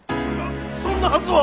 そんなはずは！